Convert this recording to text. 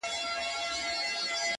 د ښویېدلي سړي لوري د هُدا لوري.